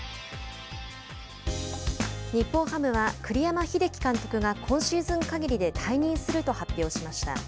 日本ハムは、栗山英樹監督が今シーズンかぎりで退任すると発表しました。